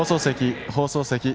放送席。